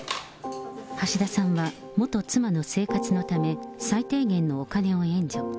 橋田さんは元妻の生活のため、最低限のお金を援助。